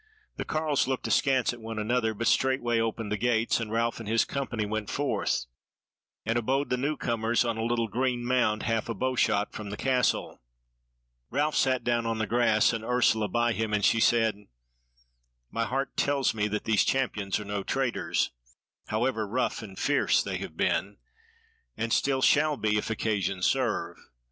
The carles looked askance at one another, but straightway opened the gates, and Ralph and his company went forth, and abode the new comers on a little green mound half a bowshot from the Castle. Ralph sat down on the grass and Ursula by him, and she said: "My heart tells me that these Champions are no traitors, however rough and fierce they have been, and still shall be if occasion serve.